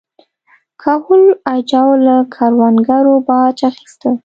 کهول اجاو له کروندګرو باج اخیسته.